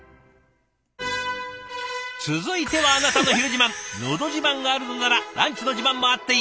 続いては「のど自慢」があるのならランチの自慢もあっていい！